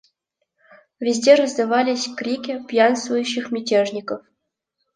Везде раздавались крики пьянствующих мятежников.